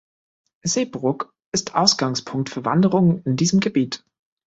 Seebrugg ist Ausgangspunkt für Wanderungen in diesem Gebiet.